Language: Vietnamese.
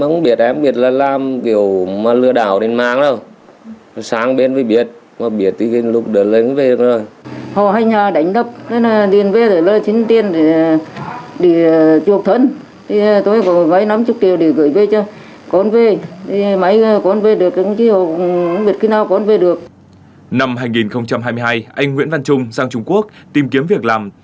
năm hai nghìn hai mươi hai anh nguyễn văn trung sang trung quốc tìm kiếm việc làm